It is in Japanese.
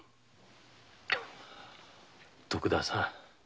徳田さん。